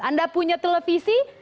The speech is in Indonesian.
anda punya televisi